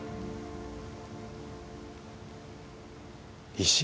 石？